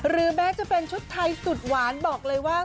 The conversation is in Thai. แม้จะเป็นชุดไทยสุดหวานบอกเลยว่า